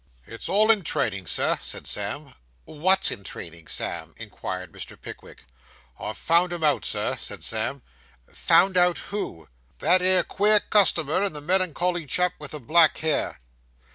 'It's all in training, Sir,' said Sam. 'What's in training, Sam?' inquired Mr. Pickwick. 'I've found 'em out, Sir,' said Sam. 'Found out who?' 'That 'ere queer customer, and the melan cholly chap with the black hair.